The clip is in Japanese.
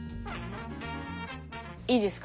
いいですか。